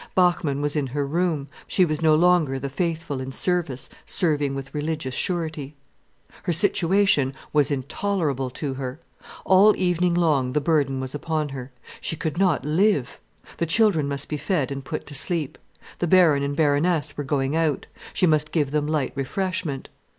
Bachmann was in her room, she was no longer the faithful in service serving with religious surety. Her situation was intolerable to her. All evening long the burden was upon her, she could not live. The children must be fed and put to sleep. The Baron and Baroness were going out, she must give them light refreshment.